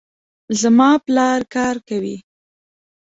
زما پلار کار کوي